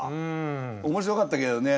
面白かったけどね。